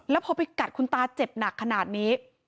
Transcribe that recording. แล้วพอไปกัดคุณตาเจ็บหนักขนาดนี้